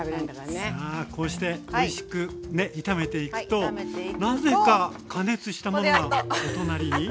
さあこうしておいしくね炒めていくとなぜか加熱したものがお隣に。